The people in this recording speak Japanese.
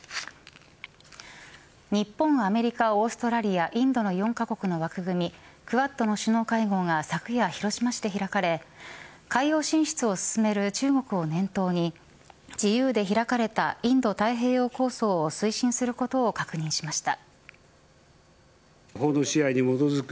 日本、アメリカ、オーストラリアインドの４カ国の枠組みクアッドの首脳会合が昨夜、広島市で開かれ海洋進出を進める中国を念頭に自由で開かれたインド太平洋構想を推進することを確認しました。